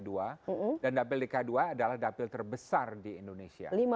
dan dapil dki dua adalah dapil terbesar di indonesia